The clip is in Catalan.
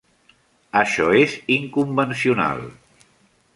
Això és inconvencional.